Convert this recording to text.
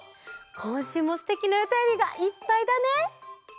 こんしゅうもすてきなおたよりがいっぱいだね。